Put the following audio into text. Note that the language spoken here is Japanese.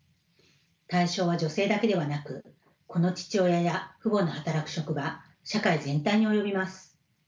対象は女性だけではなく子の父親や父母の働く職場社会全体に及びます。